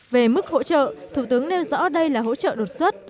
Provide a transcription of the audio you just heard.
về mức hỗ trợ thủ tướng nêu rõ đây là hỗ trợ đột xuất